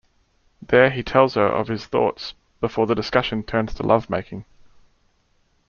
There he tells her of his thoughts, before the discussion turns to love-making.